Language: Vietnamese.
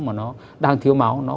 mà nó đang thiếu máu